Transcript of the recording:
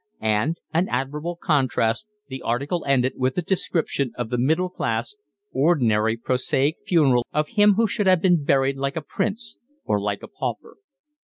And, an admirable contrast, the article ended with a description of the middle class, ordinary, prosaic funeral of him who should have been buried like a prince or like a pauper.